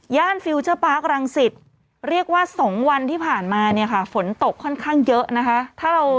ฟิลเจอร์ปาร์ครังสิตเรียกว่า๒วันที่ผ่านมาเนี่ยค่ะฝนตกค่อนข้างเยอะนะคะ